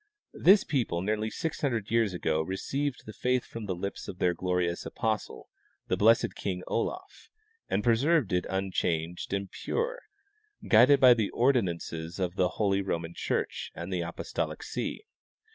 This people nearly 600 years ago received the faith from the lips of their glorious apostle, the blessed King Olaf, and preserved it unchanged and pure, guided by the ordinances of the holy Roman church and the apostolic see.